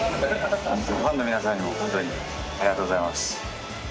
ファンの皆さんも本当ありがとうございます。